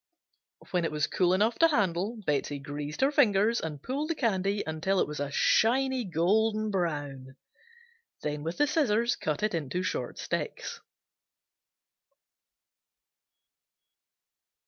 When it was cool enough to handle Betsey greased her fingers and pulled the candy until it was a shiny golden brown, then with the scissors cut it into short sticks.